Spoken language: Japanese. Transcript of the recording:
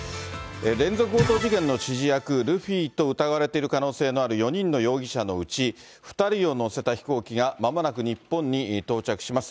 連続強盗事件の指示役、ルフィと疑われている可能性のある４人の容疑者のうち、２人を乗せた飛行機がまもなく日本に到着します。